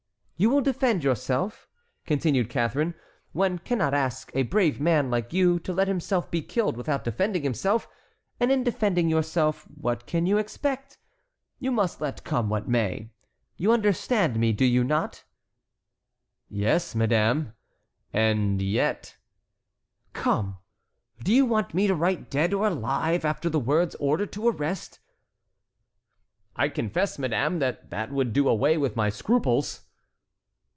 "You will defend yourself," continued Catharine. "One cannot ask a brave man like you to let himself be killed without defending himself; and in defending yourself, what can you expect? You must let come what may. You understand me, do you not?" "Yes, madame; and yet"— "Come, do you want me to write dead or alive after the words order to arrest?" "I confess, madame, that that would do away with my scruples."